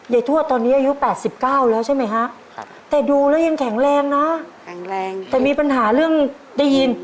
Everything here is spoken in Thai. ทวดตอนนี้อายุ๘๙แล้วใช่ไหมฮะแต่ดูแล้วยังแข็งแรงนะแข็งแรงแต่มีปัญหาเรื่องได้ยิน